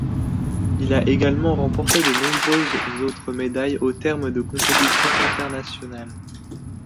Il a également remporté de nombreuses autres médailles au terme de compétitions internationales.